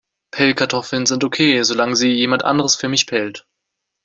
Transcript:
Pellkartoffeln sind okay, solange sie jemand anders für mich pellt.